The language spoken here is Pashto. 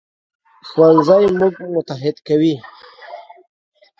ښوونځی موږ متحد کوي